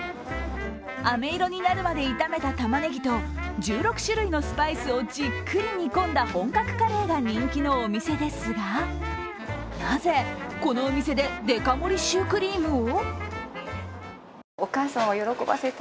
あめ色になるまで炒めたたまねぎと１６種類のスパイスをじっくり煮込んだ本格カレーが人気のお店ですがなぜ、このお店でデカ盛りシュークリームを？